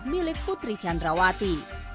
milik putri chandrawati